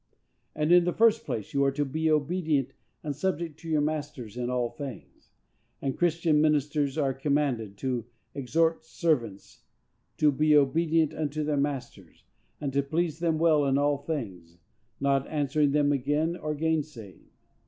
And, in the first place, you are to be obedient and subject to your masters in all things.... And Christian ministers are commanded to "exhort servants to be obedient unto their own masters, and to please them well in all things, not answering them again, or gainsaying."